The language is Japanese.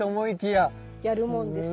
やるもんですね。